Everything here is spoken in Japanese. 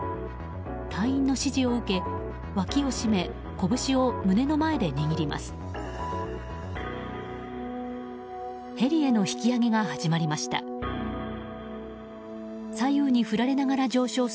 隊員の指示を受け、わきをしめ拳を胸の前で握ります。